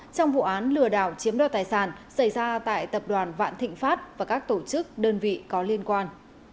trong vụ án lừa đảo chiếm đoạt tài sản xảy ra tại tập đoàn vạn thịnh pháp và các tổ chức đơn vị có liên quan